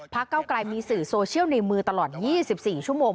เก้าไกลมีสื่อโซเชียลในมือตลอด๒๔ชั่วโมง